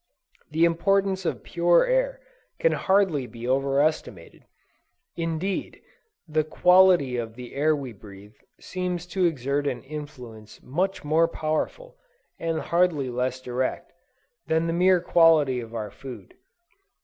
The importance of pure air can hardly be over estimated; indeed, the quality of the air we breath, seems to exert an influence much more powerful, and hardly less direct, than the mere quality of our food.